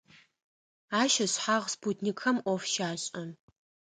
Ащ ышъхьагъ спутникхэм Ӏоф щашӀэ.